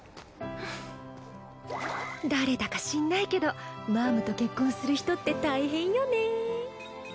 誰だか知んないけどマァムと結婚する人って大変よねぇ。